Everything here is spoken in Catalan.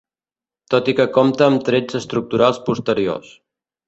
Tot i que compta amb trets estructurals posteriors.